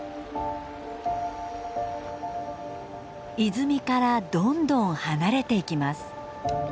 泉からどんどん離れていきます。